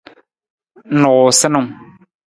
Nuusanung.